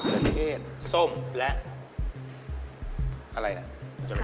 มะเขือเทศส้มและอะไรเนี่ย